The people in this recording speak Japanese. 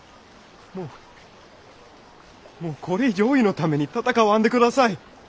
もうもうこれ以上おいのために戦わんで下さい。